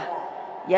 yaitu ingatlah jasminya